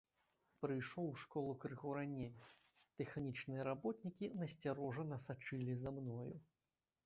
Прыйшоў у школу крыху раней, тэхнічныя работнікі насцярожана сачылі за мною.